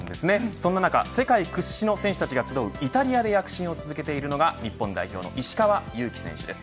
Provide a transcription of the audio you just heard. そんな中世界屈指の選手たちが集うイタリアで躍進を続けているのが日本代表の石川祐希選手です。